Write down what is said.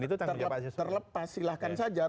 terlepas silahkan saja